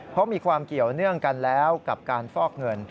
เพราะมีความเกี่ยวเนื่องกันแล้วกับการฟอกเงิน